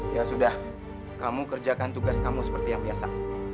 ya sudah kamu kerjakan tugas kamu seperti yang biasa